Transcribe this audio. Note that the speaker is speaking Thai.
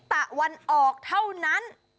ตะวันออกเท่านั้น